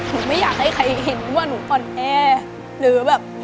ไม่อยากให้ใครเห็นว่าหนูอ่อนแอหรือแบบ